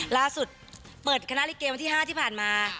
ล่าสุดเปิดคณะลิเกวันที่๕ที่ผ่านมา